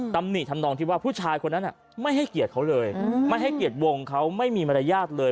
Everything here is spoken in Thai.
ตำหนิทำนองที่ว่าผู้ชายคนนั้นไม่ให้เกียรติเขาเลยไม่ให้เกียรติวงเขาไม่มีมารยาทเลย